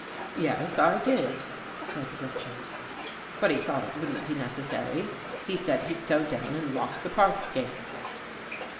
" Yes, I did," said Richards, " but he thought it wouldn't be necessary. He said he'd go down and lock the park gates."